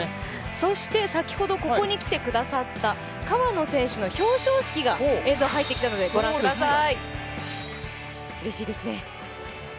そして先ほどここに来てくださった川野選手の表彰式の映像が入ってきたのでご覧ください。